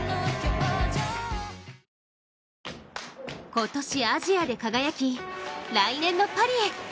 今年アジアで輝き、来年のパリへ。